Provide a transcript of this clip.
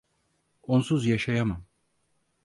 Onsuz yaşayamam.